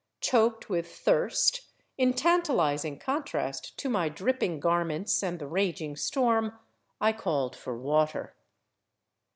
Choked with thirst, in tantalizing contrast to my dripping garments and the raging storm, I called for water.